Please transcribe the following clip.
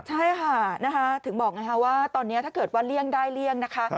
ใช่ค่ะถึงบอกไงคะว่าตอนนี้ถ้าเกิดว่าเลี่ยงได้เลี่ยงนะคะ